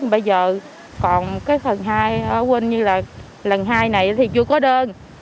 bây giờ còn cái phần hai ở quên như là lần hai này thì chưa có đơn